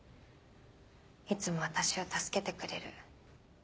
いつも私を助けてくれる。